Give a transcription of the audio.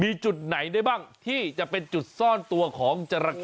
มีจุดไหนได้บ้างที่จะเป็นจุดซ่อนตัวของจราเข้